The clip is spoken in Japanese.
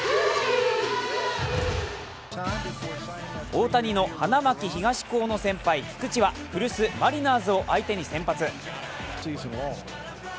大谷の花巻東高の先輩菊池は古巣・マリナーズを相手に先発。